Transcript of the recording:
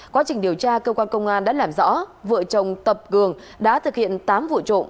quá trình điều tra cơ quan công an đã làm rõ vợ chồng tập gường đã thực hiện tám vụ trộm